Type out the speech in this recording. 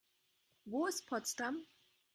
Wo ist Potsdam?